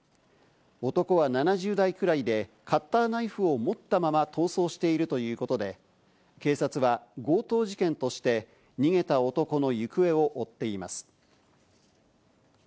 男は７０代くらいで、カッターナイフを持ったまま逃走しているということで、警察は強盗事件として逃げた男の行方を追っています。